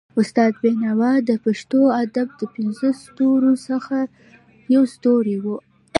استاد بينوا د پښتو ادب د پنځو ستورو څخه يو ستوری وو.